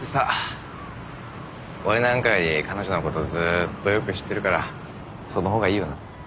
俺なんかより彼女の事ずーっとよく知ってるからその方がいいよな？